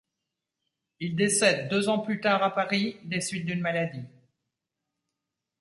Il décède deux ans plus tard à Paris, des suites d'une maladie.